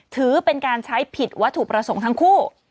ถือเป็นการใช้ผิดวัตถุประสงค์ทั้งคู่